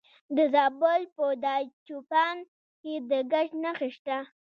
د زابل په دایچوپان کې د ګچ نښې شته.